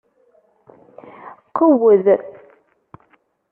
Qewwed!